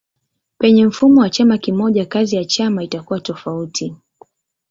Penye mfumo wa chama kimoja kazi ya chama itakuwa tofauti.